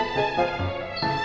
udah mau ke rumah